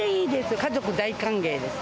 家族大歓迎です。